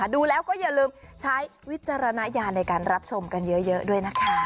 ดูแล้วก็อย่าลืมใช้วิจารณญาณในการรับชมกันเยอะด้วยนะคะ